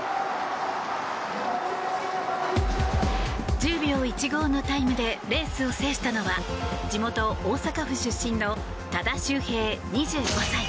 １０秒１５のタイムでレースを制したのは地元・大阪府出身の多田修平、２５歳。